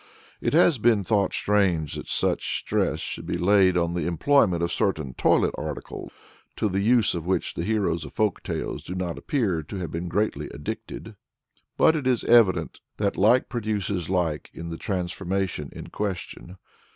It has been thought strange that such stress should be laid on the employment of certain toilet articles, to the use of which the heroes of folk tales do not appear to have been greatly addicted. But it is evident that like produces like in the transformation in question.